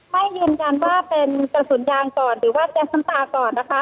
ไม่ยืนยันว่าเป็นกระสุนยางก่อนหรือว่าแก๊สน้ำตาก่อนนะคะ